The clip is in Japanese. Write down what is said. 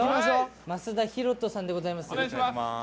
増田啓人さんでございます。